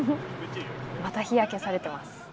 また日焼けされています。